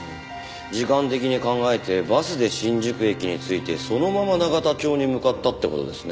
時間的に考えてバスで新宿駅に着いてそのまま永田町に向かったって事ですね。